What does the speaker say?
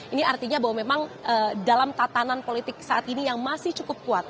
ini artinya bahwa memang dalam tatanan politik saat ini yang masih cukup kuat